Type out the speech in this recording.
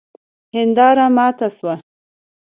هنداره ماته سوه